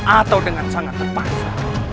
atau dengan sangat terpaksa